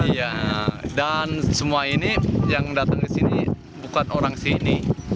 iya dan semua ini yang datang ke sini bukan orang sini